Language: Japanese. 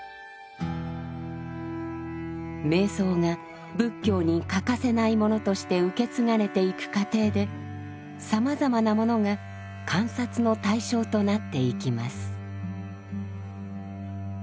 瞑想が仏教に欠かせないものとして受け継がれていく過程でさまざまなものが観察の対象となっていきます。